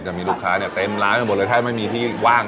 จะมีลูกค้าเนี่ยเต็มร้านไปหมดเลยถ้าไม่มีที่ว่าง